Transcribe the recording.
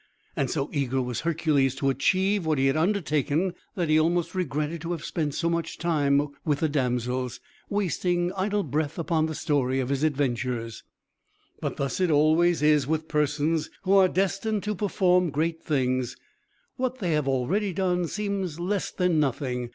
And so eager was Hercules to achieve what he had undertaken, that he almost regretted to have spent so much time with the damsels, wasting idle breath upon the story of his adventures. But thus it always is with persons who are destined to perform great things. What they have already done seems less than nothing.